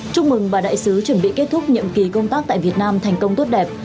chúc mừng bà đại sứ chuẩn bị kết thúc nhiệm kỳ công tác tại việt nam thành công tốt đẹp